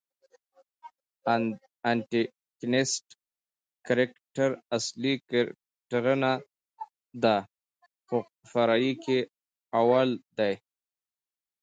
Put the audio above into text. انټکنیسټ کرکټراصلي کرکټرنه دئ، خو د فرعي کښي اول دئ.